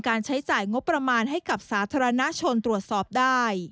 ใช้จ่ายงบประมาณให้กับสาธารณชนตรวจสอบได้